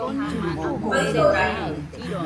Faɨdoraño